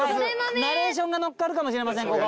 ナレーションが乗っかるかもしれませんここ。